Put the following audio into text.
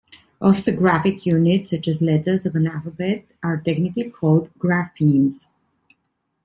Orthographic units, such as letters of an alphabet, are technically called graphemes.